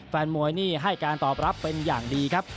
แฟนมวยนี่ให้การตอบรับเป็นอย่างดีครับ